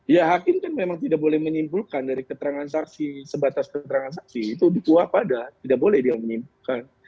ya hakim kan memang tidak boleh menyimpulkan dari keterangan saksi sebatas keterangan saksi itu dikuat ada tidak boleh dia menyimpulkan